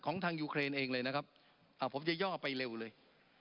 ทางยูเครนเองเลยนะครับผมจะย่อไปเร็วเลย